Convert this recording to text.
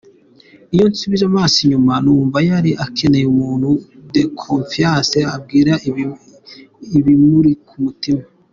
Iyo nsubije amaso inyuma numva yari akeneye umuntu de confiance abwira ibimuri ku mutima.